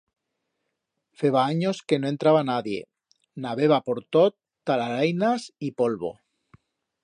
Feba anyos que no entraba nadie, n'habeba por tot talarainas y polvo.